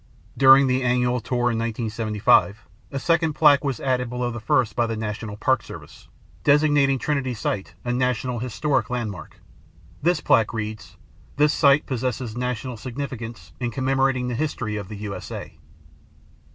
During the annual tour in 1975, a second plaque was added below the first by The National Park Service, designating Trinity Site a National Historic Landmark. This plaque reads, "This site possesses national significance in commemorating the history of the U.S.A."